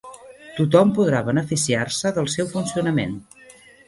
Tothom podrà beneficiar-se del seu funcionament.